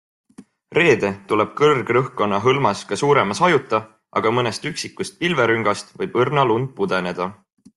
Reede tuleb kõrgrõhkkonna hõlmas ka suurema sajuta, aga mõnest üksikust pilverüngast võib õrna lund pudeneda.